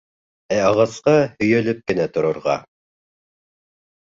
Ә ағасҡа һөйәлеп кенә торорға.